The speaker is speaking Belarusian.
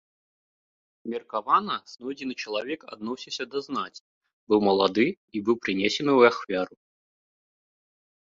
Меркавана, знойдзены чалавек адносіўся да знаці, быў малады і быў прынесены ў ахвяру.